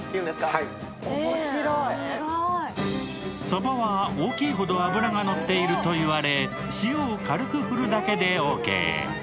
さばは大きいほど脂がのっていると言われ、塩を軽く振るだけでオーケー。